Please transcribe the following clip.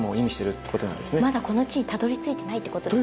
まだこの地にたどりついてないってことですか？